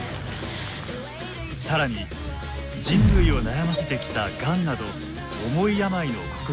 更に人類を悩ませてきたがんなど重い病の克服や。